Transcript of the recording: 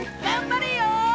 頑張れよ